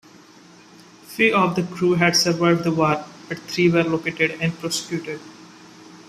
Few of the crew had survived the war, but three were located and prosecuted.